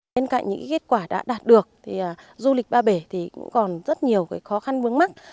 bên cạnh những kết quả đã đạt được thì du lịch ba bể thì cũng còn rất nhiều khó khăn vướng mắt